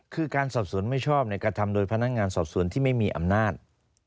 คือการสอบสวนไม่ชอบกระทำโดยพนักงานสอบสวนที่ไม่มีอำนาจ